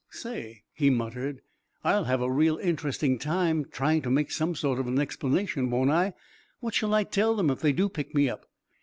"Say," he muttered, "I'll have a real interesting time trying to make some sort of an explanation, won't I? What shall I tell them if they do pick me up?"